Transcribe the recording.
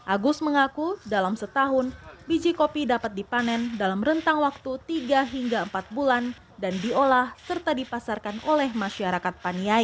agus mengaku dalam setahun biji kopi dapat dipanen dalam rentang waktu tiga hingga empat bulan dan diolah serta dipasarkan oleh masyarakat paniai